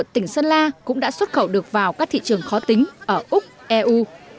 tỉnh sơn la cũng đã xuất khẩu được vào các thị trường khó tính ở úc eu